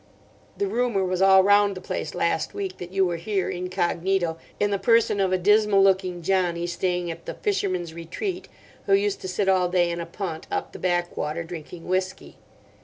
The rumour was all round the place last week that you were here incognito in the person of a dismal looking Johnny, staying at the 'Fisherman's Retreat,' who used to sit all day in a punt up the backwater drinking whisky.